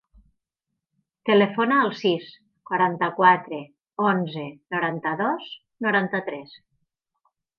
Telefona al sis, quaranta-quatre, onze, noranta-dos, noranta-tres.